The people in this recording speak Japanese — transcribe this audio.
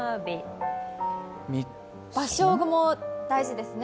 場所も大事ですね。